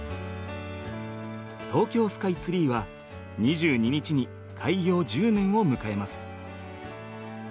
東京スカイツリーは２２日に開業１０年を迎えます。